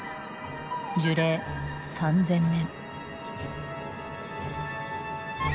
樹齢３，０００年。